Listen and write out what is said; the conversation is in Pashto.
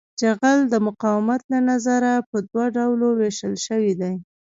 جغل د مقاومت له نظره په دوه ډلو ویشل شوی دی